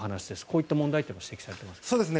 こういった問題点も指摘されています。